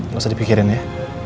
gak usah dipikirin ya